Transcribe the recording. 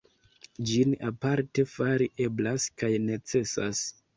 Ĝin aparte fari eblas kaj necesas.